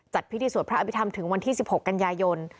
พิธีสวดพระอภิษฐรรมถึงวันที่๑๖กันยายน